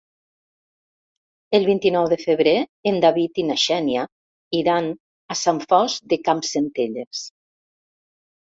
El vint-i-nou de febrer en David i na Xènia iran a Sant Fost de Campsentelles.